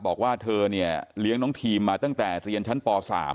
บอกว่าเธอเนี่ยเลี้ยงน้องทีมมาตั้งแต่เรียนชั้นป๓